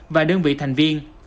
và đơn vị thành viên